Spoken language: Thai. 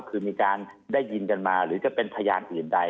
คือมีการได้ยินกันมาหรือจะเป็นพยานอื่นใด